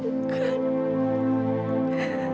jangan sampai aku kembali